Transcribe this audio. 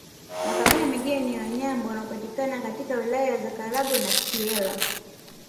Makabila mengine ni Wanyambo wanaopatikana katika Wilaya za Karagwe na Kyerwa